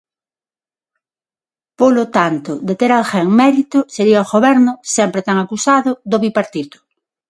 Polo tanto, de ter alguén mérito, sería o Goberno, sempre tan acusado, do Bipartito.